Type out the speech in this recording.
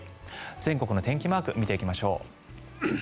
全国の天気マーク見ていきましょう。